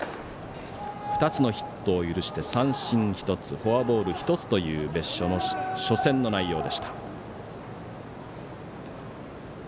２つのヒットを許して三振１つフォアボール１つという別所の初戦の内容でした。